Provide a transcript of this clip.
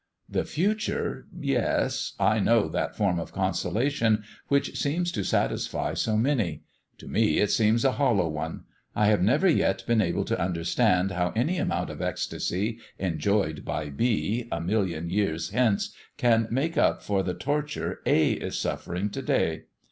"The future? Yes, I know that form of consolation which seems to satisfy so many. To me it seems a hollow one. I have never yet been able to understand how any amount of ecstasy enjoyed by B a million years hence can make up for the torture A is suffering to day.